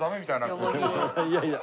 いやいや。